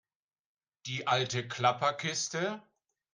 Die alte Klapperkiste?